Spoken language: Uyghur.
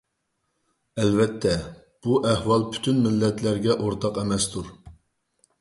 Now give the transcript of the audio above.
ئەلۋەتتە، بۇ ئەھۋال پۈتۈن مىللەتلەرگە ئورتاق ئەمەستۇر.